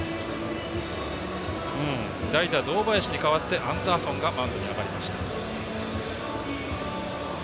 代打、堂林に代わってアンダーソンがマウンドに上がりました。